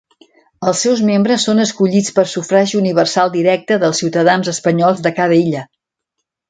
Els seus membres són escollits per sufragi universal directe dels ciutadans espanyols de cada illa.